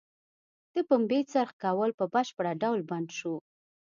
د پنبې څرخ کول په بشپړه ډول بند شو.